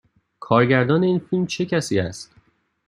کارگردان این فیلم چه کسی است؟